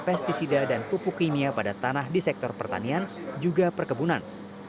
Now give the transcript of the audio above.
pesticida dan pupuk kimia pada tanah di sektor pertanian juga perkebunan